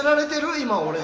今俺